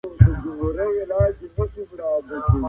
په ټولنه کي باید معلولین سپک نه سي.